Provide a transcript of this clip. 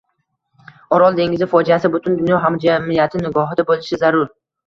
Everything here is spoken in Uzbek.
Orol dengizi fojiasi butun dunyo hamjamiyati nigohida bo‘lishi zarur